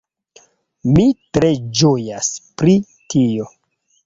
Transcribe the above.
Mi tre ĝojas pri tio!